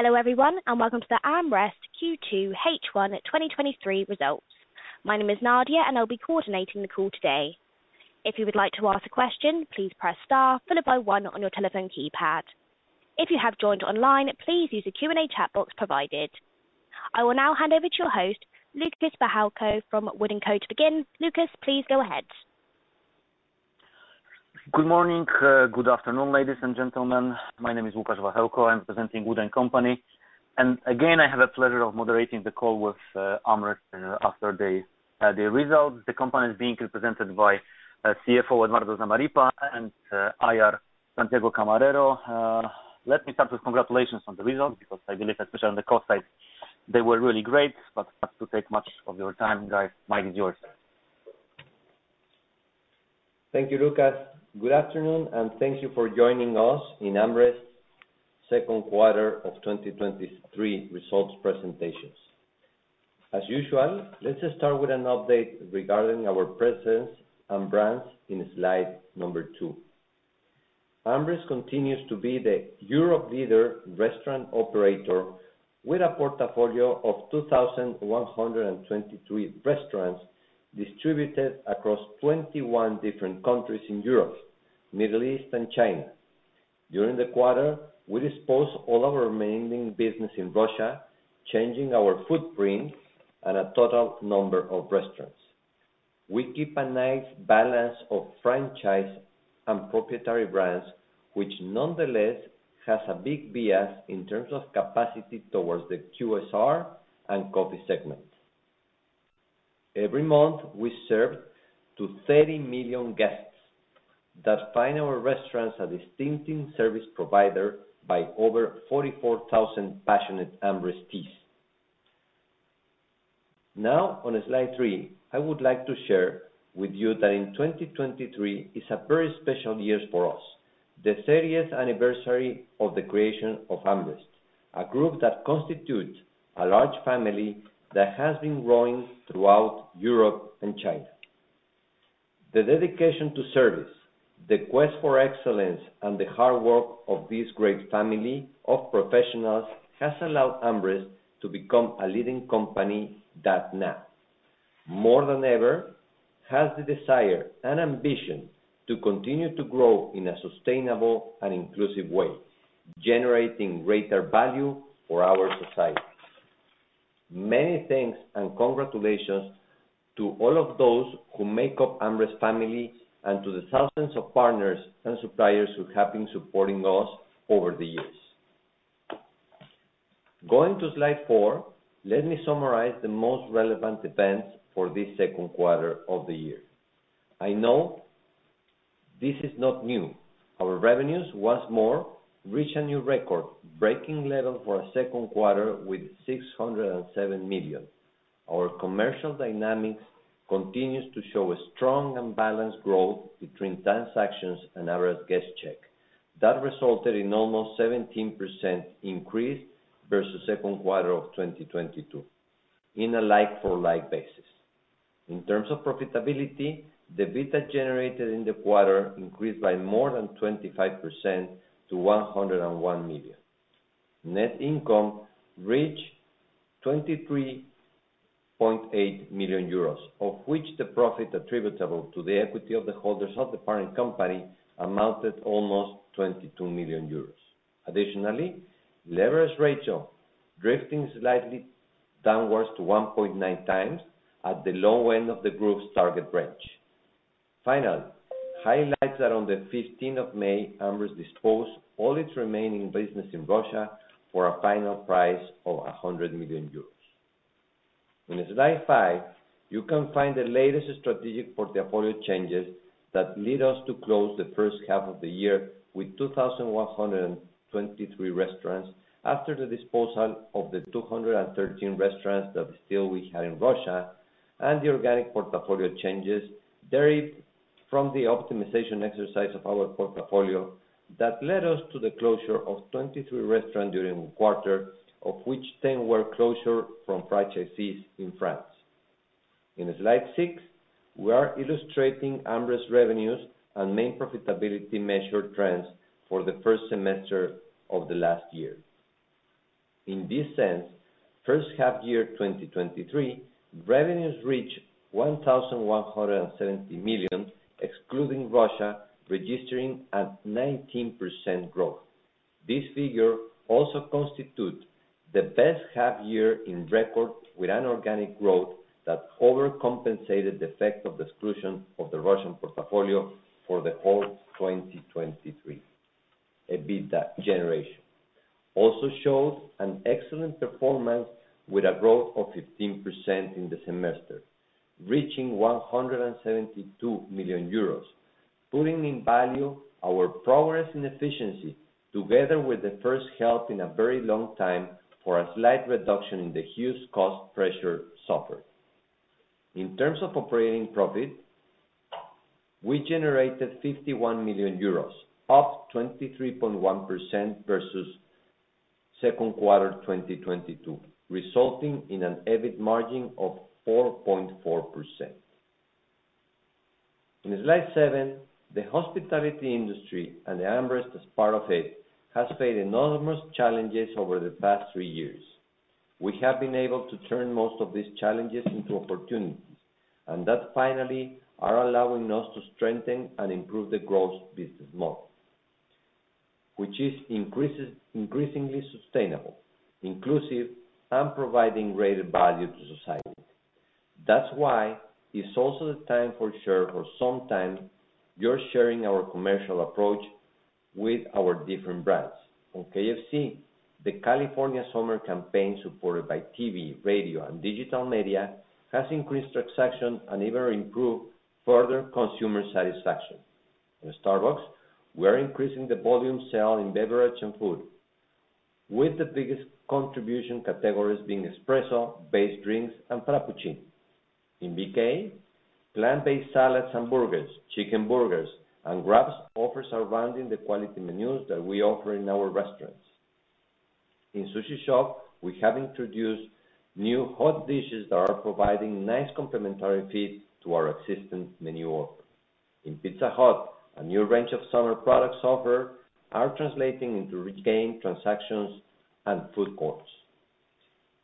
Hello everyone, and welcome to the AmRest second quarter H1 2023 results. My name is Nadia, and I'll be coordinating the call today. If you would like to ask a question, please press star followed by one on your telephone keypad. If you have joined online, please use the Q&A chat box provided. I will now hand over to your host, Łukasz Wachełko from WOOD & Company to begin. Łukasz, please go ahead. Good morning, good afternoon, ladies and gentlemen. My name is Łukasz Wachełko. I'm presenting WOOD & Company, and again, I have the pleasure of moderating the call with AmRest after they [presented] the results. The company is being represented by CFO Eduardo Zamarripa and IR Santiago Camarero. Let me start with congratulations on the results, because I believe, especially on the cost side, they were really great. But not to take much of your time, guys, mine is yours. Thank you, Łukasz. Good afternoon, and thank you for joining us in AmRest's second quarter of 2023 results presentations. As usual, let's just start with an update regarding our presence and brands in slide number two. AmRest continues to be the Europe leader restaurant operator, with a portfolio of 2,123 restaurants distributed across 21 different countries in Europe, Middle East, and China. During the quarter, we disposed all of our remaining business in Russia, changing our footprint and a total number of restaurants. We keep a nice balance of franchise and proprietary brands, which nonetheless has a big bias in terms of capacity towards the QSR and coffee segments. Every month, we serve to 30 million guests that find our restaurants a distinctive service provider by over 44,000 passionate AmRest teams. Now, on slide three, I would like to share with you that in 2023 is a very special years for us, the thirtieth anniversary of the creation of AmRest, a group that constitutes a large family that has been growing throughout Europe and China. The dedication to service, the quest for excellence, and the hard work of this great family of professionals has allowed AmRest to become a leading company that now, more than ever, has the desire and ambition to continue to grow in a sustainable and inclusive way, generating greater value for our society. Many thanks and congratulations to all of those who make up AmRest family and to the thousands of partners and suppliers who have been supporting us over the years. Going to slide four, let me summarize the most relevant events for this second quarter of the year. I know this is not new. Our revenues once more reach a new record-breaking level for a second quarter with 607 million. Our commercial dynamics continues to show a strong and balanced growth between transactions and average guest check. That resulted in almost 17% increase versus second quarter of 2022 in a like-for-like basis. In terms of profitability, the EBITDA generated in the quarter increased by more than 25% to 101 million. Net income reached 23.8 million euros, of which the profit attributable to the equity of the holders of the parent company amounted almost 22 million euros. Additionally, leverage ratio drifting slightly downwards to 1.9x at the low end of the group's target range. Finally, highlights that on the fifteenth of May, AmRest disposed all its remaining business in Russia for a final price of 100 million euros. In slide five, you can find the latest strategic portfolio changes that lead us to close the first half of the year with 2,123 restaurants, after the disposal of the 213 restaurants that still we had in Russia, and the organic portfolio changes derived from the optimization exercise of our portfolio that led us to the closure of 23 restaurants during the quarter, of which 10 were closures from franchisees in France. In slide six, we are illustrating AmRest's revenues and main profitability measure trends for the first semester of the last year. In this sense, first half year, 2023, revenues reach 1,170 million, excluding Russia, registering a 19% growth. This figure also constitutes the best half year on record with an organic growth that overcompensated the effect of the exclusion of the Russian portfolio for the whole 2023. EBITDA generation also showed an excellent performance with a growth of 15% in the semester, reaching 172 million euros, putting in value our progress in efficiency, together with the first half in a very long time, for a slight reduction in the huge cost pressure suffered. In terms of operating profit, we generated 51 million euros, up 23.1% versus second quarter 2022, resulting in an EBIT margin of 4.4%.... In slide seven, the hospitality industry and AmRest as part of it, has faced enormous challenges over the past three years. We have been able to turn most of these challenges into opportunities, and that finally are allowing us to strengthen and improve the growth business model, which is increasingly sustainable, inclusive, and providing greater value to society. That's why it's also the time for sure, for some time, you're sharing our commercial approach with our different brands. On KFC, the California summer campaign, supported by TV, radio, and digital media, has increased transaction and even improved further consumer satisfaction. In Starbucks, we are increasing the volume sale in beverage and food, with the biggest contribution categories being espresso-based drinks and Frappuccinos. In BK, plant-based salads and burgers, chicken burgers, and wraps offers surrounding the quality menus that we offer in our restaurants. In Sushi Shop, we have introduced new hot dishes that are providing nice complementary fit to our existing menu offer. In Pizza Hut, a new range of summer product offers are translating into regained transactions and footfalls.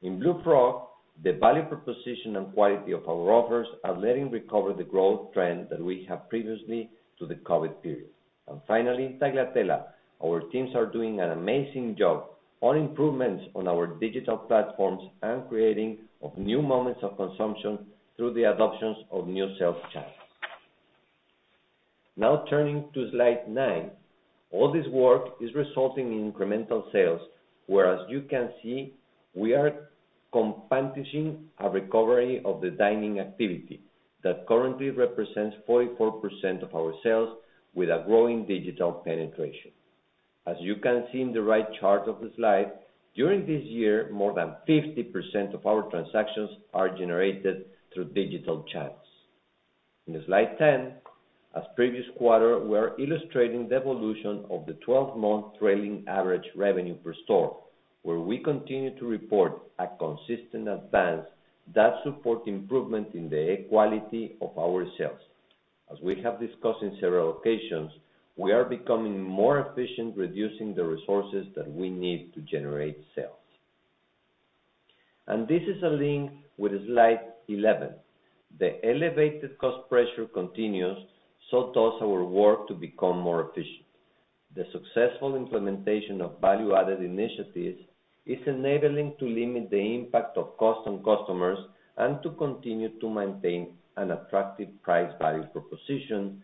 In Blue Frog, the value proposition and quality of our offers are letting recover the growth trend that we have previously to the COVID period. And finally, Tagliatella, our teams are doing an amazing job on improvements on our digital platforms and creating of new moments of consumption through the adoptions of new sales channels. Now, turning to slide nine, all this work is resulting in incremental sales, whereas you can see we are comping a recovery of the dining activity that currently represents 44% of our sales, with a growing digital penetration. As you can see in the right chart of the slide, during this year, more than 50% of our transactions are generated through digital channels. In slide 10, as previous quarter, we are illustrating the evolution of the 12-month trailing average revenue per store, where we continue to report a consistent advance that support improvement in the quality of our sales. As we have discussed in several occasions, we are becoming more efficient, reducing the resources that we need to generate sales. And this is a link with slide 11. The elevated cost pressure continues, so does our work to become more efficient. The successful implementation of value-added initiatives is enabling to limit the impact of cost on customers, and to continue to maintain an attractive price value proposition,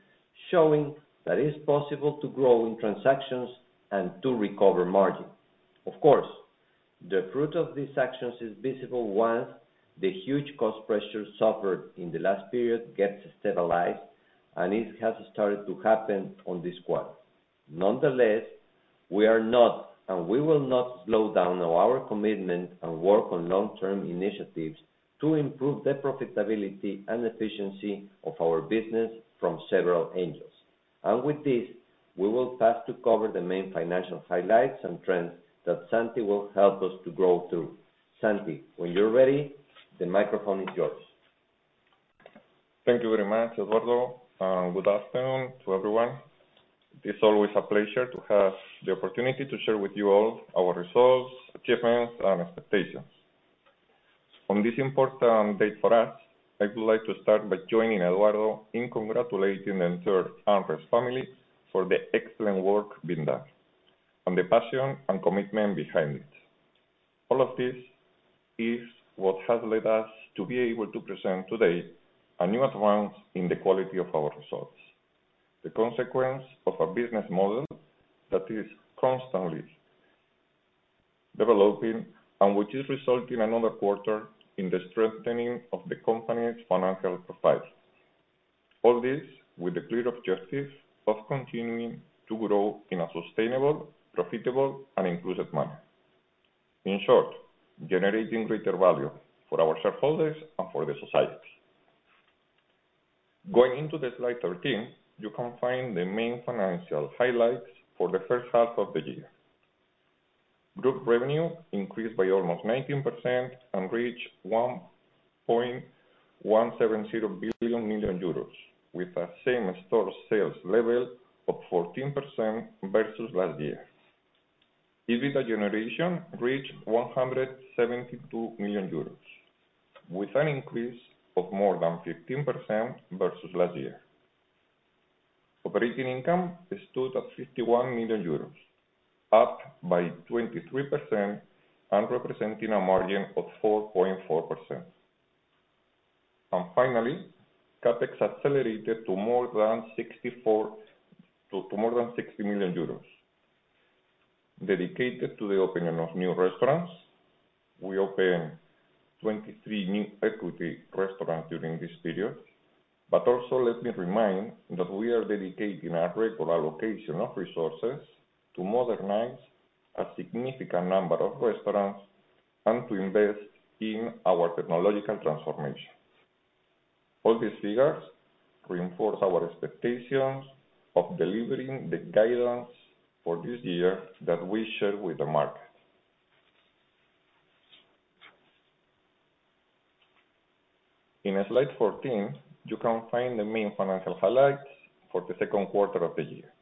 showing that it is possible to grow in transactions and to recover margin. Of course, the fruit of these actions is visible once the huge cost pressure suffered in the last period gets stabilized, and it has started to happen on this quarter. Nonetheless, we are not, and we will not, slow down on our commitment and work on long-term initiatives to improve the profitability and efficiency of our business from several angles. With this, we will pass to cover the main financial highlights and trends that Santi will help us to go through. Santi, when you're ready, the microphone is yours. Thank you very much, Eduardo, and good afternoon to everyone. It's always a pleasure to have the opportunity to share with you all our results, achievements, and expectations. On this important date for us, I would like to start by joining Eduardo in congratulating the entire AmRest family for the excellent work being done, and the passion and commitment behind it. All of this is what has led us to be able to present today a new advance in the quality of our results, the consequence of a business model that is constantly developing and which is resulting another quarter in the strengthening of the company's financial profile. All this with the clear objective of continuing to grow in a sustainable, profitable, and inclusive manner. In short, generating greater value for our shareholders and for the society. Going into slide 13, you can find the main financial highlights for the first half of the year. Group revenue increased by almost 19% and reached 1.170 billion, with the same store sales level of 14% versus last year. EBITDA generation reached 172 million euros, with an increase of more than 15% versus last year. Operating income stood at 51 million euros, up by 23% and representing a margin of 4.4%. Finally, CapEx accelerated to more than 60 million euros, dedicated to the opening of new restaurants. We opened 23 new equity restaurants during this period but also let me remind that we are dedicating a great allocation of resources to modernize a significant number of restaurants and to invest in our technological transformations. All these figures reinforce our expectations of delivering the guidelines for this year that we share with the market. In slide 14, you can find the main financial highlights for the second quarter of the year.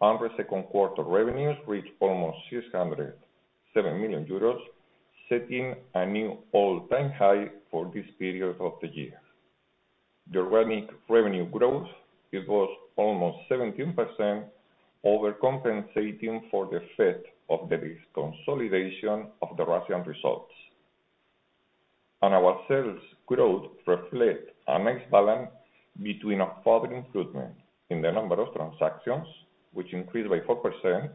The second quarter revenues reached almost 607 million euros, setting a new all-time high for this period of the year. The organic revenue growth, it was almost 17%, overcompensating for the effect of the deconsolidation of the Russian results. Our sales growth reflect a nice balance between a further improvement in the number of transactions, which increased by 4%,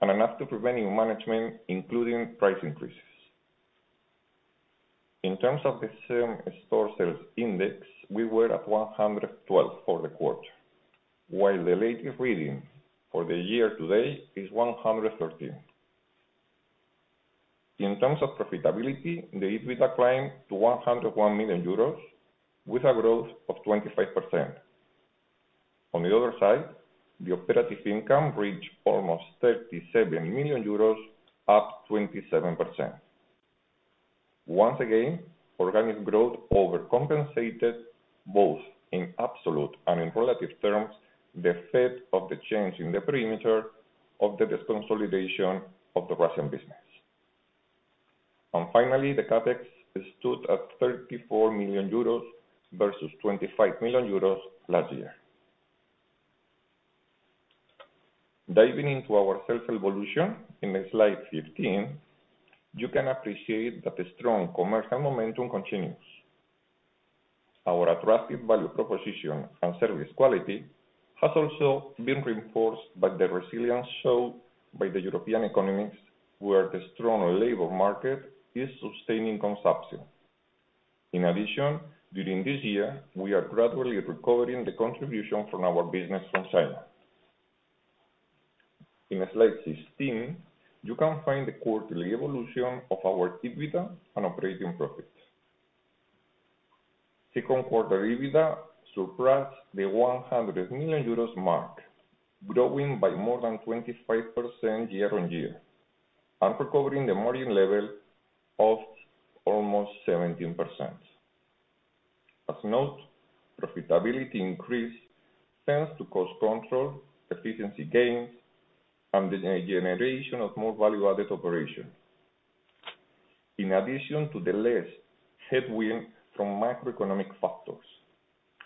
and enough to prevent new management, including price increases. In terms of the same-store sales index, we were at 112 for the quarter, while the latest reading for the year to date is 113. In terms of profitability, the EBITDA climbed to 101 million euros, with a growth of 25%. On the other side, the operating income reached almost 37 million euros, up 27%. Once again, organic growth overcompensated, both in absolute and in relative terms, the effect of the change in the perimeter of the deconsolidation of the Russian business. Finally, the CapEx stood at 34 million euros versus 25 million euros last year. Diving into our sales evolution, in slide 15, you can appreciate that the strong commercial momentum continues. Our attractive value proposition and service quality has also been reinforced by the resilience shown by the European economies, where the strong labor market is sustaining consumption. In addition, during this year, we are gradually recovering the contribution from our business from China. In slide 16, you can find the quarterly evolution of our EBITDA and operating profit. Second quarter EBITDA surpassed the 100 million euros mark, growing by more than 25% year-on-year, and recovering the margin level of almost 17%. As noted, profitability increased thanks to cost control, efficiency gains, and the generation of more value-added operations. In addition to the less headwind from macroeconomic factors,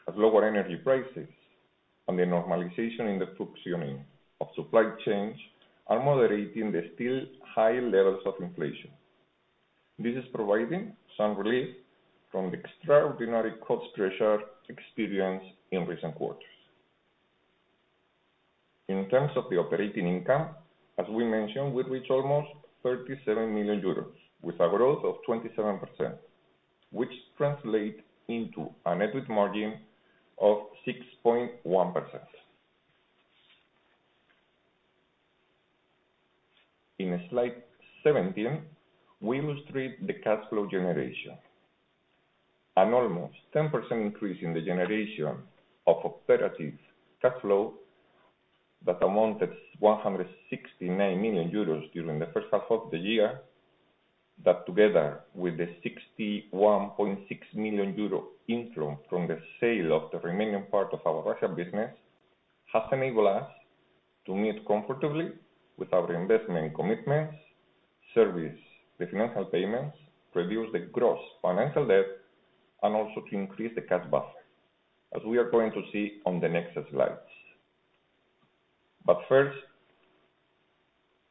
as lower energy prices and the normalization in the functioning of supply chains are moderating the still high levels of inflation. This is providing some relief from the extraordinary cost pressure experienced in recent quarters. In terms of the operating income, as we mentioned, we reached almost 37 million euros, with a growth of 27%, which translate into a net margin of 6.1%. In slide 17, we illustrate the cash flow generation. An almost 10% increase in the generation of operative cash flow that amounted to 169 million euros during the first half of the year, that together with the 61.6 million euro inflow from the sale of the remaining part of our Russian business, has enabled us to meet comfortably with our investment commitments, service the financial payments, reduce the gross financial debt, and also to increase the cash buffer, as we are going to see on the next slides. But first,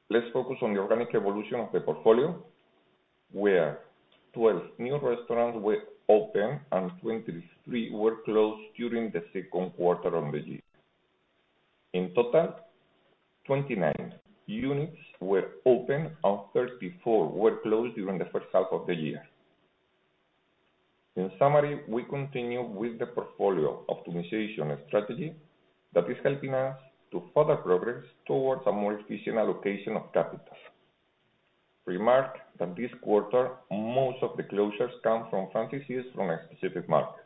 let's focus on the organic evolution of the portfolio, where 12 new restaurants were opened and 23 were closed during the second quarter of the year. In total, 29 units were opened and 34 were closed during the first half of the year. In summary, we continue with the portfolio optimization strategy that is helping us to further progress towards a more efficient allocation of capital. Remark that this quarter, most of the closures come from franchisees from specific markets.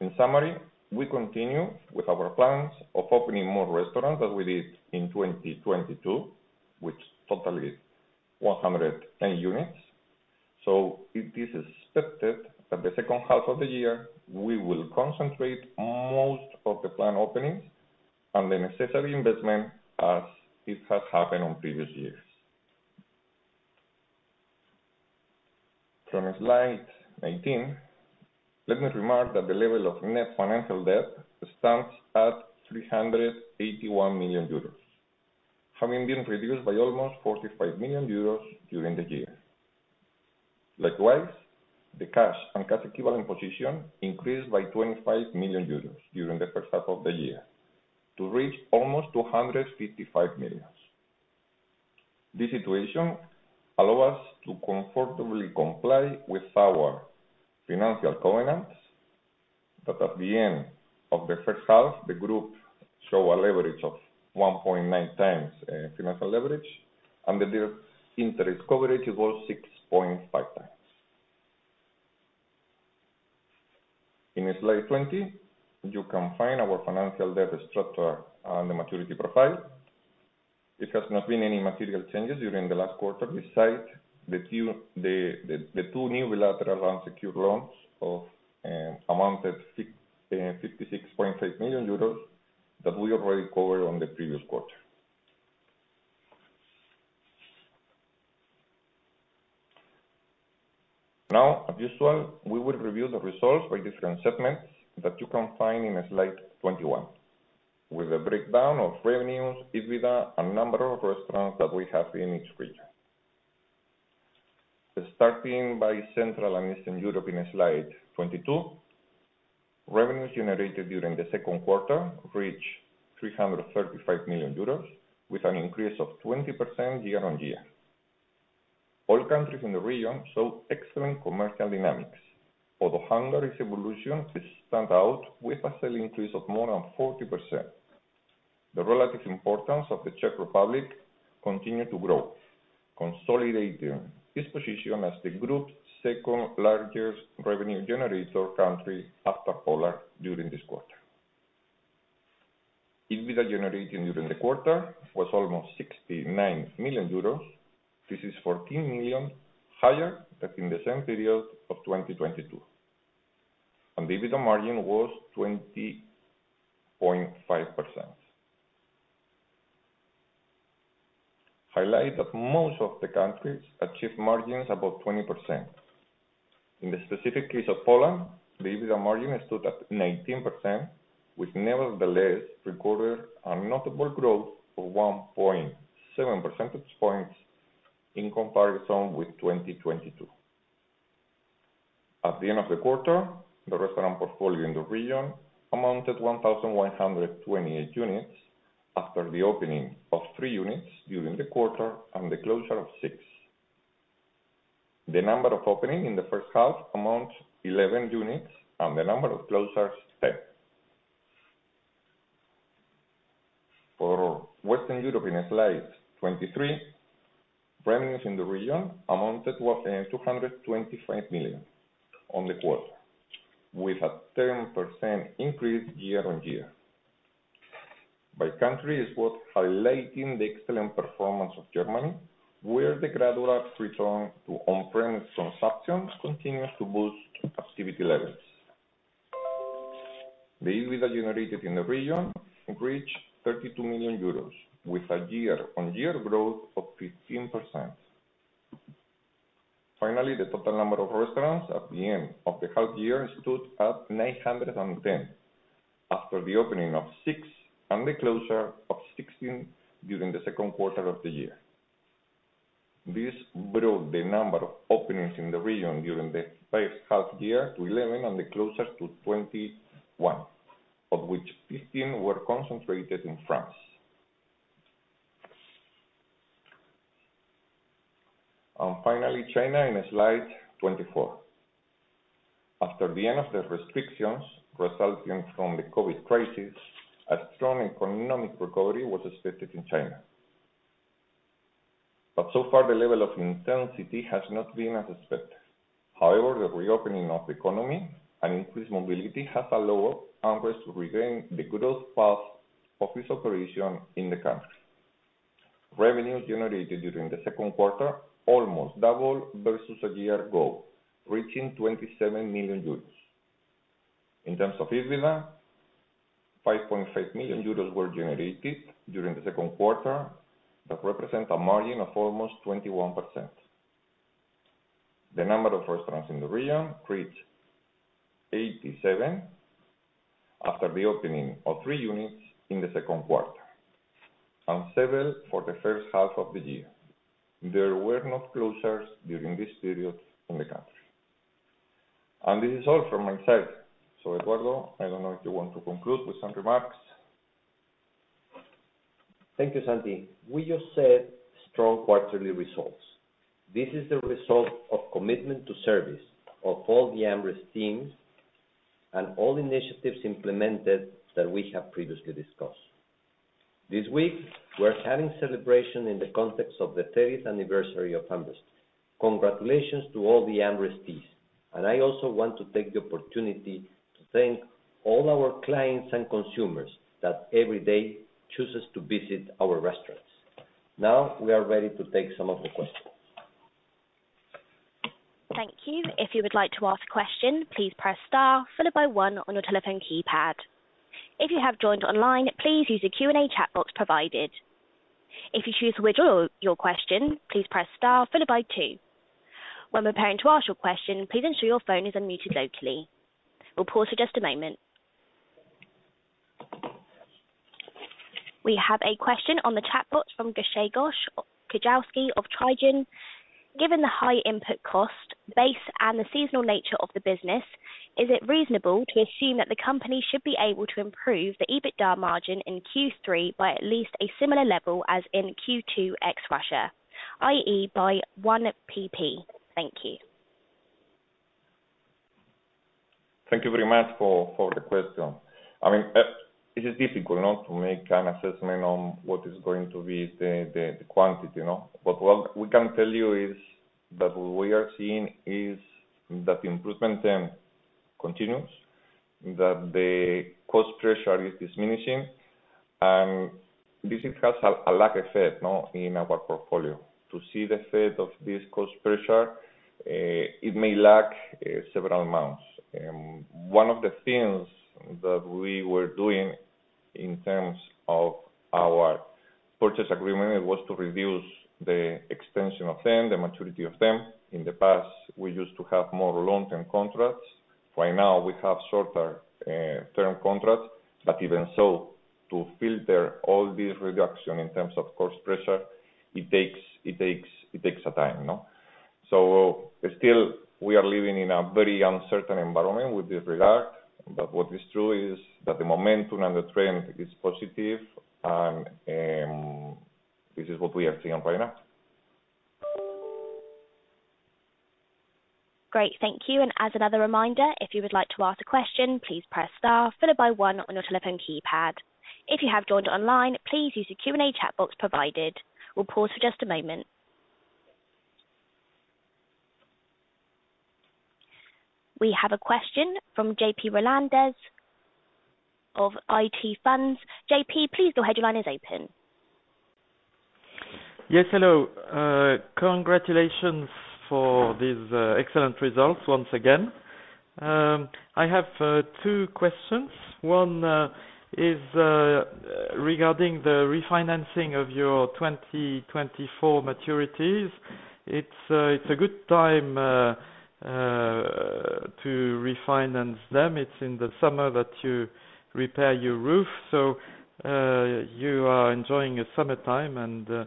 In summary, we continue with our plans of opening more restaurants as we did in 2022, which totaling 110 units. So it is expected that the second half of the year, we will concentrate most of the planned openings and the necessary investment as it has happened on previous years. From slide 19, let me remark that the level of net financial debt stands at 381 million euros, having been reduced by almost 45 million euros during the year. Likewise, the cash and cash equivalent position increased by 25 million euros during the first half of the year to reach almost 255 million. This situation allow us to comfortably comply with our financial covenants, that at the end of the first half, the group show a leverage of 1.9x, financial leverage, and the direct interest coverage was 6.5x. In slide 20, you can find our financial debt structure and the maturity profile. It has not been any material changes during the last quarter, besides the two new bilateral unsecured loans amounted to 56.5 million euros, that we already covered on the previous quarter. Now, as usual, we will review the results by different segments that you can find in slide 21, with a breakdown of revenues, EBITDA, and number of restaurants that we have in each region. Starting by Central and Eastern Europe in slide 22, revenues generated during the second quarter reached 335 million euros, with an increase of 20% year-on-year. All countries in the region saw excellent commercial dynamics, although Hungary's evolution stands out with a sales increase of more than 40%. The relative importance of the Czech Republic continued to grow, consolidating its position as the group's second-largest revenue generator country after Poland during this quarter. EBITDA generated during the quarter was almost 69 million euros. This is 14 million higher than in the same period of 2022, and the EBITDA margin was 20.5%. Highlight that most of the countries achieved margins above 20%. In the specific case of Poland, the EBITDA margin stood at 19%, which nevertheless recorded a notable growth of 1.7 percentage points in comparison with 2022. At the end of the quarter, the restaurant portfolio in the region amounted 1,128 units after the opening of three units during the quarter and the closure of six. The number of openings in the first half amounts 11 units, and the number of closures, 10. For Western Europe, in slide 23, revenues in the region amounted to 225 million in the quarter, with a 10% increase year-on-year. By country, it's worth highlighting the excellent performance of Germany, where the gradual return to on-premise consumption continues to boost activity levels. The EBITDA generated in the region reached 32 million euros, with a year-on-year growth of 15%. Finally, the total number of restaurants at the end of the half year stood at 910, after the opening of six and the closure of 16 during the second quarter of the year. This brought the number of openings in the region during the first half year to 11, and the closures to 21, of which 15 were concentrated in France. And finally, China, in slide 24. After the end of the restrictions resulting from the COVID crisis, a strong economic recovery was expected in China. But so far, the level of intensity has not been as expected. However, the reopening of the economy and increased mobility has allowed AmRest to regain the growth path of its operation in the country. Revenues generated during the second quarter almost doubled versus a year ago, reaching 27 million euros. In terms of EBITDA, 5.5 million euros were generated during the second quarter, that represent a margin of almost 21%. The number of restaurants in the region reached 87 after the opening of three units in the second quarter, and seven for the first half of the year. There were not closures during this period in the country. This is all from my side. Eduardo, I don't know if you want to conclude with some remarks? Thank you, Santi. We just said strong quarterly results. This is the result of commitment to service of all the AmRest teams and all initiatives implemented that we have previously discussed. This week, we're having celebration in the context of the thirtieth anniversary of AmRest. Congratulations to all the AmRest teams, and I also want to take the opportunity to thank all our clients and consumers that every day chooses to visit our restaurants. Now, we are ready to take some of the questions. Thank you. If you would like to ask a question, please press star followed by one on your telephone keypad. If you have joined online, please use the Q&A chat box provided. If you choose to withdraw your question, please press star followed by two. When preparing to ask your question, please ensure your phone is unmuted locally. We'll pause for just a moment. We have a question on the chat box from Łukasz Wachełko of Trigon: Given the high input cost base and the seasonal nature of the business, is it reasonable to assume that the company should be able to improve the EBITDA margin in third quarter by at least a similar level as in second quarter ex-Russia, i.e., by one percentage point? Thank you. Thank you very much for the question. I mean, it is difficult, you know, to make an assessment on what is going to be the quantity, you know? But what we can tell you is that what we are seeing is that the improvement trend continues, that the cost pressure is diminishing, and this has a lag effect, you know, in our portfolio. To see the effect of this cost pressure, it may lag, several months. One of the things that we were doing in terms of our purchase agreement, it was to reduce the extension of term, the maturity of term. In the past, we used to have more long-term contracts. Right now, we have shorter term contracts, but even so, to filter all this reduction in terms of cost pressure, it takes a time, you know? So still, we are living in a very uncertain environment with this regard, but what is true is that the momentum and the trend is positive, and this is what we are seeing right now. Great, thank you. As another reminder, if you would like to ask a question, please press star followed by one on your telephone keypad. If you have joined online, please use the Q&A chat box provided. We'll pause for just a moment. We have a question from J.P. Rolandes of IT Funds. J.P., please, your line is open. Yes, hello. Congratulations for this excellent results once again. I have two questions. One is regarding the refinancing of your 2024 maturities. It's a good time to refinance them. It's in the summer that you repair your roof, so you are enjoying your summertime and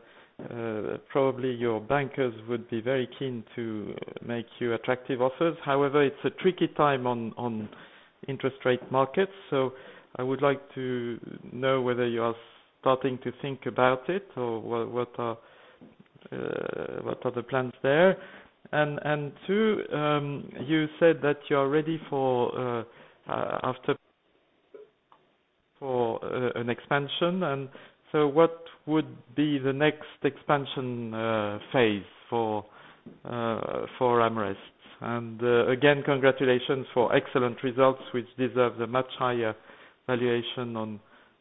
probably your bankers would be very keen to make you attractive offers. However, it's a tricky time on interest rate markets, so I would like to know whether you are starting to think about it or what are the plans there? And two, you said that you are ready for after for an expansion, and so what would be the next expansion phase for AmRest? Again, congratulations for excellent results, which deserve the much higher valuation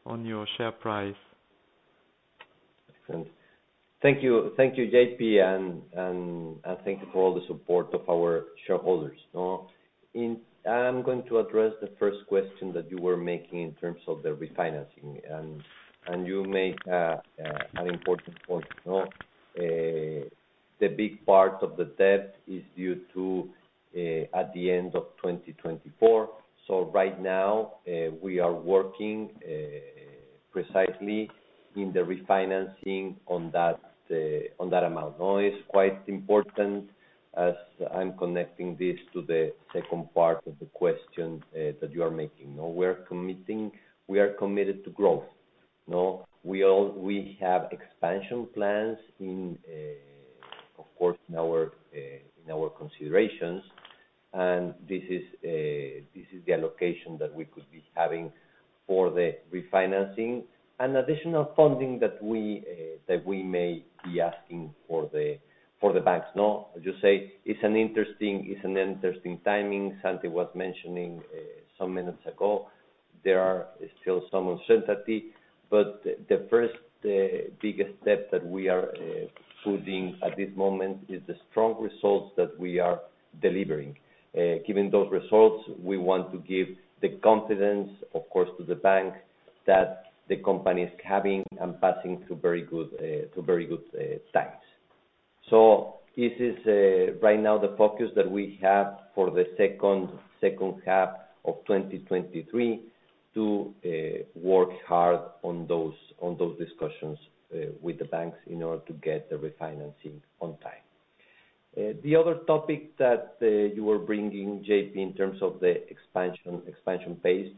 on your share price. Thank you. Thank you, J.P., and thank you for all the support of our shareholders, you know? I'm going to address the first question that you were making in terms of the refinancing, and you made an important point, you know. The big part of the debt is due at the end of 2024, so right now we are working precisely in the refinancing on that amount. Now, it's quite important as I'm connecting this to the second part of the question that you are making. Now, we're committing. We are committed to growth, you know? We have expansion plans in, of course, in our considerations, and this is the allocation that we could be having for the refinancing and additional funding that we may be asking for the banks, no? I just say it's an interesting timing. Santi was mentioning some minutes ago, there are still some uncertainty, but the first biggest step that we are putting at this moment is the strong results that we are delivering. Given those results, we want to give the confidence, of course, to the bank, that the company is having and passing through very good times. So this is right now the focus that we have for the second half of 2023, to work hard on those discussions with the banks in order to get the refinancing on time. The other topic that you were bringing, J.P., in terms of the expansion phase,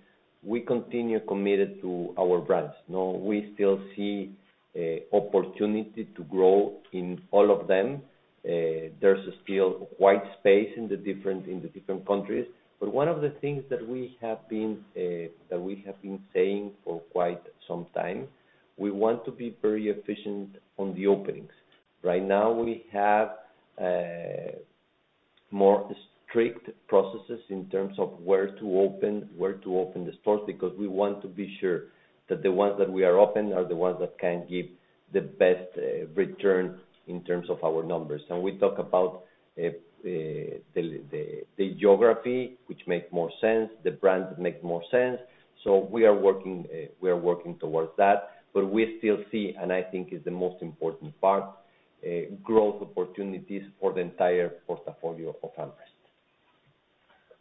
we continue committed to our brands, no? We still see opportunity to grow in all of them. There's still wide space in the different countries, but one of the things that we have been saying for quite some time: we want to be very efficient on the openings. Right now, we have more strict processes in terms of where to open, where to open the stores, because we want to be sure that the ones that we are open are the ones that can give the best return in terms of our numbers. And we talk about the geography, which makes more sense, the brands that make more sense. So we are working towards that, but we still see, and I think it's the most important part, growth opportunities for the entire portfolio of AmRest.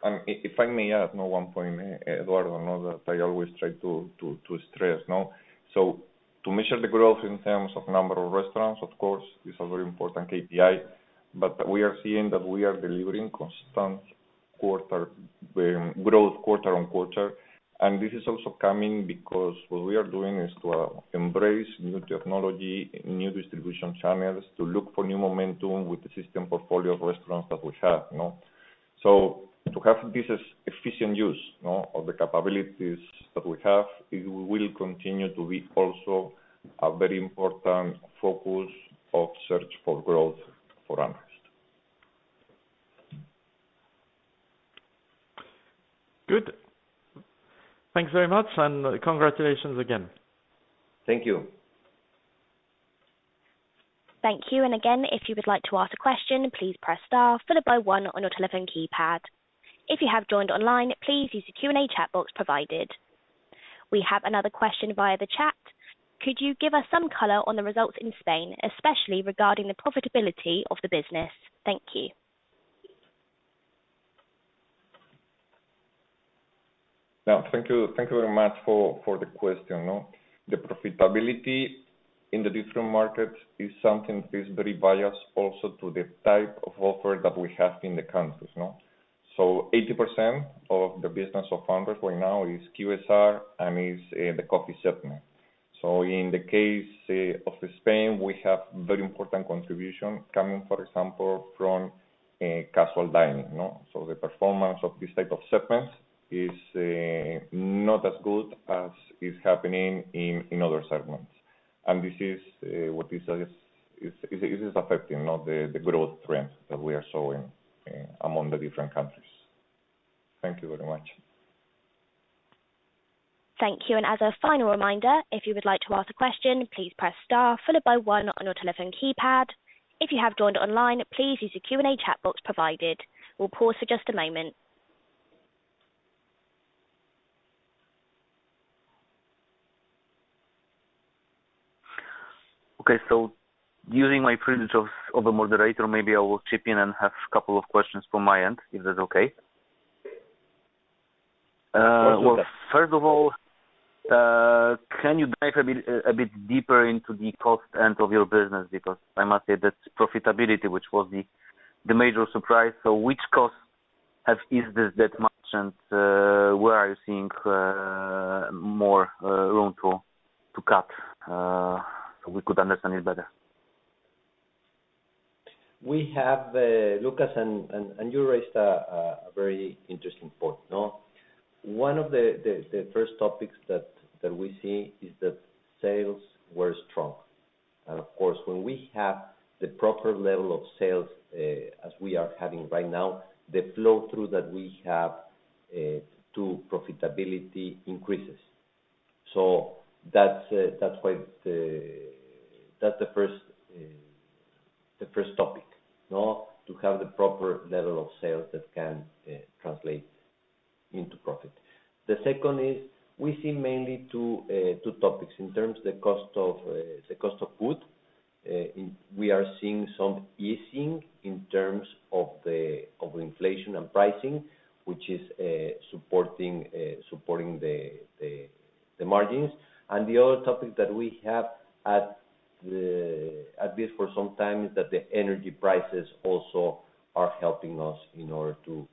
And if I may add now one point, Eduardo, I know that I always try to stress, no? So to measure the growth in terms of number of restaurants, of course, is a very important KPI, but we are seeing that we are delivering constant quarter-on-quarter growth. And this is also coming because what we are doing is to embrace new technology, new distribution channels, to look for new momentum with the system portfolio of restaurants that we have, you know? So to have this efficient use, you know, of the capabilities that we have, it will continue to be also a very important focus of search for growth for AmRest. Good. Thanks very much, and congratulations again. Thank you. Thank you. And again, if you would like to ask a question, please press star followed by one on your telephone keypad. If you have joined online, please use the Q&A chat box provided. We have another question via the chat: Could you give us some color on the results in Spain, especially regarding the profitability of the business? Thank you. Now, thank you. Thank you very much for the question, no. The profitability in the different markets is something very biased also to the type of offer that we have in the countries, no? So 80% of the business of AmRest right now is QSR and is the coffee segment. So in the case of Spain, we have very important contribution coming, for example, from casual dining, no? So the performance of this type of segments is not as good as is happening in other segments. And this is what is affecting, not the growth trend that we are showing among the different countries. Thank you very much. Thank you, and as a final reminder, if you would like to ask a question, please press star followed by one on your telephone keypad. If you have joined online, please use the Q&A chat box provided. We'll pause for just a moment. Okay, so using my privilege of a moderator, maybe I will chip in and have a couple of questions from my end, if that's okay? Of course, okay. Well, first of all, can you dive a bit deeper into the cost end of your business? Because I must say that profitability, which was the major surprise. So which costs have eased that much, and where are you seeing more room to cut, so we could understand it better? We have, Lucas, and you raised a very interesting point, no? One of the first topics that we see is that sales were strong. And of course, when we have the proper level of sales, as we are having right now, the flow-through that we have to profitability increases. So that's why the... That's the first topic, no? To have the proper level of sales that can translate into profit. The second is, we see mainly two topics. In terms of the cost of food, we are seeing some easing in terms of inflation and pricing, which is supporting the margins. And the other topic that we have, at least for some time, is that the energy prices also are helping us in order to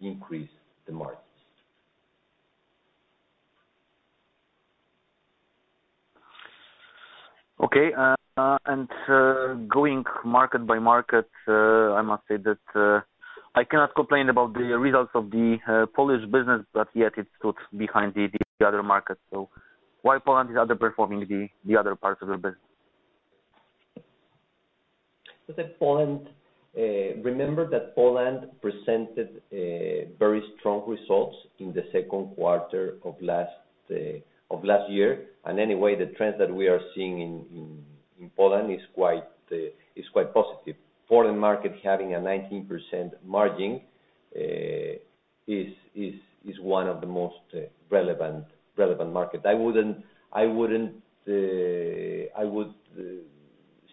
increase the margins. Okay, and going market by market, I must say that I cannot complain about the results of the Polish business, but yet it's good behind the other markets. So why Poland is underperforming the other parts of the business? With Poland, remember that Poland presented very strong results in the second quarter of last year. Anyway, the trend that we are seeing in Poland is quite positive. Foreign market having a 19% margin is one of the most relevant market. I wouldn't... I would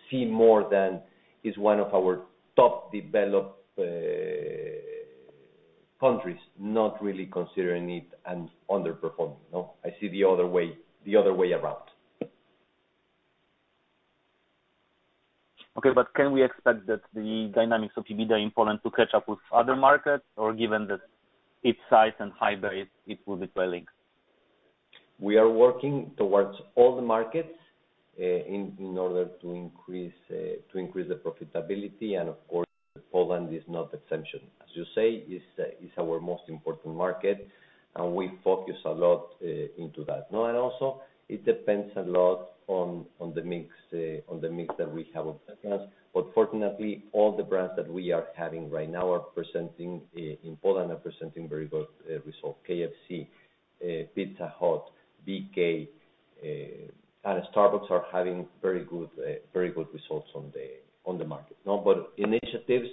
see more than is one of our top developed countries, not really considering it an underperforming, no. I see the other way, the other way around. Okay, but can we expect that the dynamics of EBITDA in Poland to catch up with other markets, or given that its size and high base, it will be trailing? We are working towards all the markets in order to increase the profitability, and of course, Poland is no exception. As you say, it's our most important market, and we focus a lot into that. Now, and also it depends a lot on the mix that we have on the ground. But fortunately, all the brands that we are having right now in Poland are presenting very good results. KFC, Pizza Hut, BK, and Starbucks are having very good results on the market. Now, but initiatives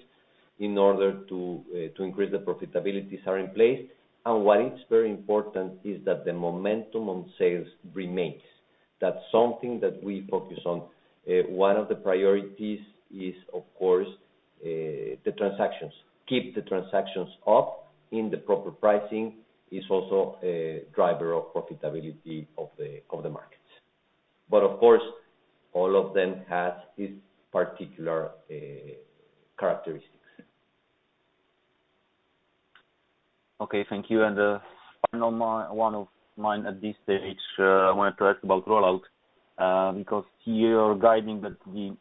in order to increase the profitability are in place, and what is very important is that the momentum on sales remains. That's something that we focus on. One of the priorities is, of course, the transactions. Keep the transactions up in the proper pricing is also a driver of profitability of the markets. But of course, all of them has its particular characteristics. Okay, thank you. And the final one, one of mine at this stage, I want to ask about rollout, because you're guiding that the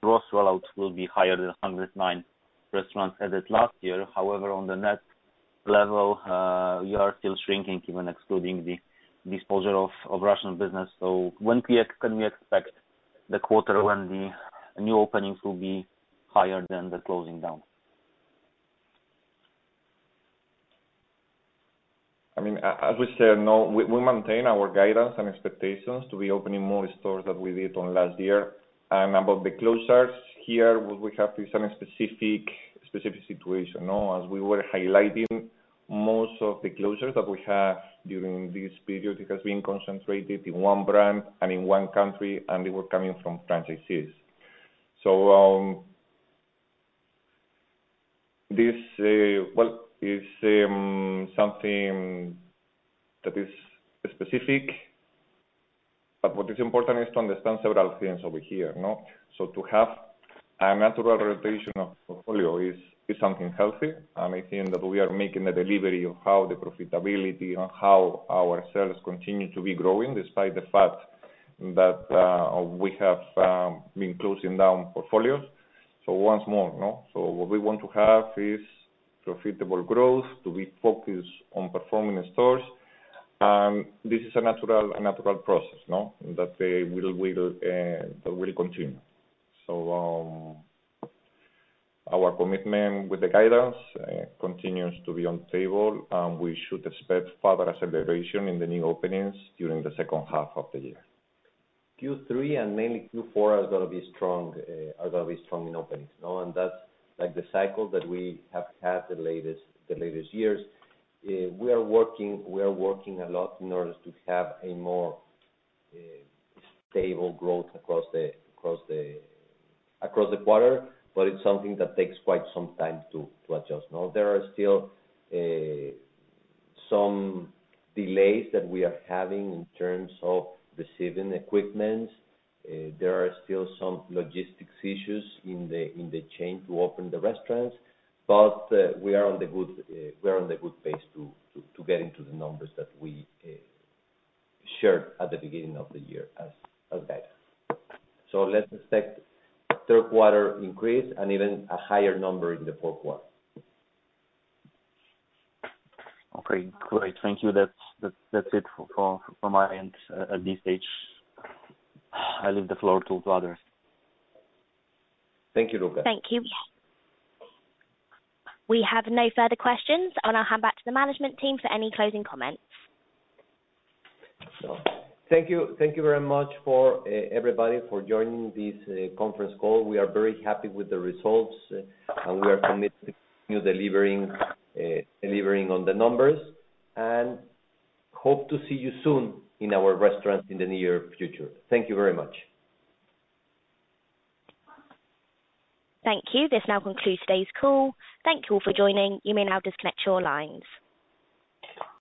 gross rollouts will be higher than 109 restaurants as at last year. However, on the net level, you are still shrinking, even excluding the disposal of Russian business. So when can we expect the quarter when the new openings will be higher than the closing down? I mean, as we said, no, we maintain our guidance and expectations to be opening more stores than we did on last year. And about the closures, here, what we have is some specific situation, no? As we were highlighting, most of the closures that we have during this period, it has been concentrated in one brand and in one country, and they were coming from franchisees. So, this, well, is something that is specific, but what is important is to understand several things over here, no? So to have a natural rotation of portfolio is something healthy, and I think that we are making the delivery of how the profitability and how our sales continue to be growing, despite the fact that, we have been closing down portfolios. So once more, no? So what we want to have is profitable growth, to be focused on performing the stores, and this is a natural process, no? That will continue. So, our commitment with the guidance continues to be on table, and we should expect further acceleration in the new openings during the second half of the year. third quarter and mainly fourth quarter are going to be strong in openings, no? And that's like the cycle that we have had the latest years. We are working a lot in order to have a more stable growth across the quarter, but it's something that takes quite some time to adjust, no? There are still some delays that we are having in terms of receiving equipment. There are still some logistics issues in the chain to open the restaurants, but we are on the good pace to get into the numbers that we shared at the beginning of the year as guidance. So let's expect third quarter increase and even a higher number in the fourth quarter. Okay, great. Thank you. That's it from my end at this stage. I leave the floor to others. Thank you, Łukasz. Thank you. We have no further questions. I'll hand back to the management team for any closing comments. Thank you. Thank you very much for everybody, for joining this conference call. We are very happy with the results, and we are committed to delivering on the numbers, and hope to see you soon in our restaurants in the near future. Thank you very much. Thank you. This now concludes today's call. Thank you all for joining. You may now disconnect your lines.